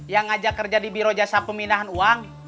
yang ngajak kerja di biro jasar peminahan uang